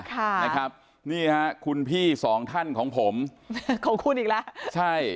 ค่ะนะครับนี่ฮะคุณพี่สองท่านของผมของคุณอีกแล้วใช่